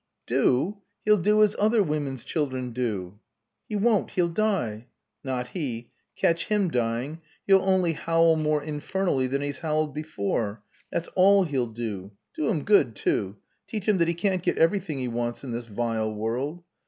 "Do? He'll do as other women's children do." "He won't. He'll die." "Not he. Catch him dying. He'll only howl more infernally than he's howled before. That's all he'll do. Do him good too teach him that he can't get everything he wants in this vile world.